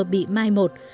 bị mai một